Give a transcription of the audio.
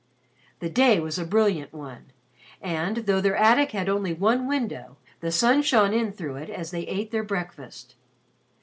The day was a brilliant one, and, though their attic had only one window, the sun shone in through it as they ate their breakfast.